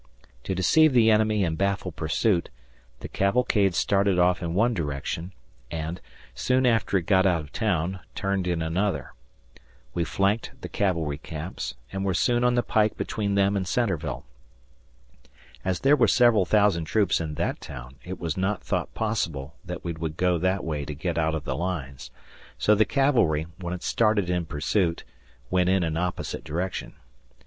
To deceive the enemy and baffle pursuit, the cavalcade started off in one direction and, soon after it got out of town, turned in another. We flanked the cavalry camps, and were soon on the pike between them and Centreville. As there were several thousand troops in that town, it was not thought possible that we would go that way to get out of the lines, so the cavalry, when it started in pursuit, went in an opposite direction.